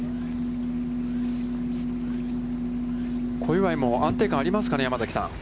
小祝も安定感がありますかね、山崎さん。